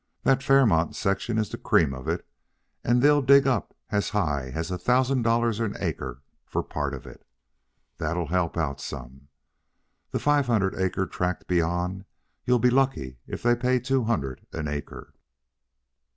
That Fairmount section is the cream of it, and they'll dig up as high as a thousand dollars an acre for a part of it. That'll help out some. That five hundred acre tract beyond, you'll be lucky if they pay two hundred an acre."